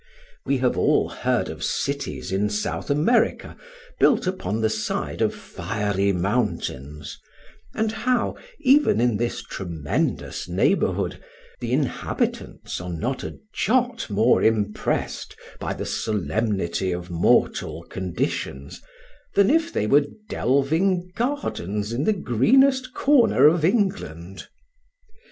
We have all heard of cities in South America built upon the side of fiery mountains, and how, even in this tremendous neighbourhood, the inhabitants are not a jot more impressed by the solemnity of mortal conditions than if they were delving gardens in the greenest corner of England.